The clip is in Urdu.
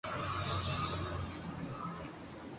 کبھی اس طرف۔